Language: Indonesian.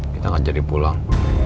kita akan jadi pulang